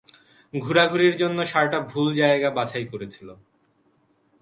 ঘুরাঘুরির জন্য ষাড়টা ভুল জায়গা বাছাই করেছিল।